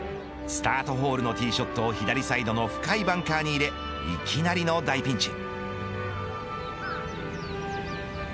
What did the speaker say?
スタートホールのティーショットを左サイドの深いバンカーに入れいきなりの大ピンチ。